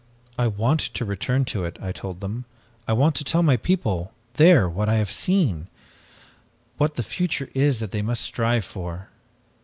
"'I want to return to it,' I told them. 'I want to tell my people there what I have seen what the future is that they must strive for.'